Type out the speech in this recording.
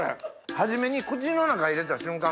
初めに口の中入れた瞬間